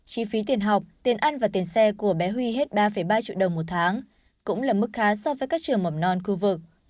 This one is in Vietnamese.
chi phí tiền học tiền ăn và tiền xe của bé huy hết ba ba triệu đồng một tháng cũng là mức khá so với các trường mầm non khu vực